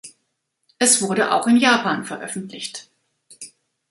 Es wurde auch in Japan veröffentlicht.